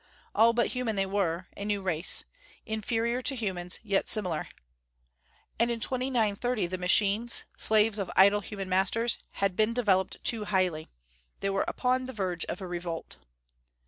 All but human, they were a new race. Inferior to humans, yet similar. And in 2930 the machines, slaves of idle human masters, had been developed too highly! They were upon the verge of a revolt!